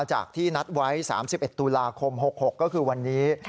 จากที่นัดไว้๓๑ตุลาคม๖๖ก็คือวันนี้